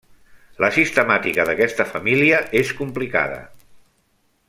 La sistemàtica d'aquesta família és complicada.